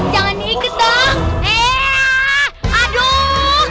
jangan ikut dong